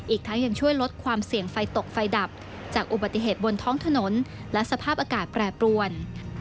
อีกทั้งยังช่วยลดความเสี่ยงไฟตกไฟดับจากอุบัติเหตุบนท้องถนนและสภาพอากาศแปรปรวน